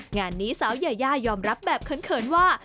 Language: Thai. งานนี้สาวยายายอมรับแบบเขินว่า